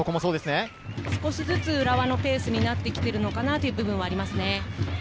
少しずつ浦和のペースになってきているのかなという部分があります。